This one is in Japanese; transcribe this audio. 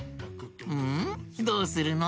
んどうするの？